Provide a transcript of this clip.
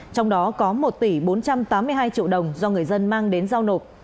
trong đó có một tỷ bốn trăm tám mươi hai triệu đồng do người dân mang đến giao nộp